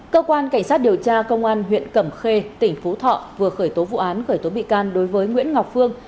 cơ quan cảnh sát điều tra công an huyện cẩm khê tỉnh phú thọ vừa khởi tố vụ án khởi tố bị can đối với nguyễn ngọc phương